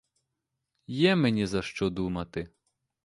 Є мені за що думати.